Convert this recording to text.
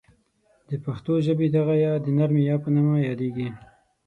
د پښتو ژبې دغه یا ی د نرمې یا په نوم یادیږي.